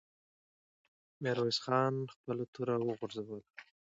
ميرويس خان خپله توره وغورځوله.